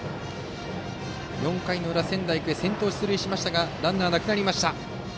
４回裏、仙台育英先頭が出塁しましたがランナーがなくなりました。